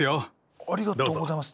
ありがとうございます。